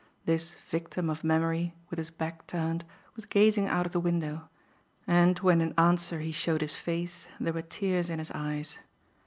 This victim of memory, with his back turned, was gazing out of the window, and when in answer he showed his face there were tears in his eyes.